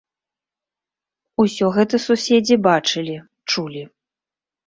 Усё гэта суседзі бачылі, чулі.